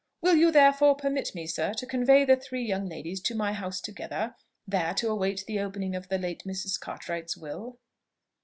Will you therefore permit me, sir, to convey the three young ladies to my house together, there to await the opening of the late Mrs. Cartwright's will?"